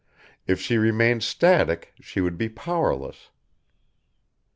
If she remained static she would be powerless.